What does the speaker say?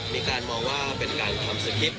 มีการมองว่าเป็นการทำสคริปต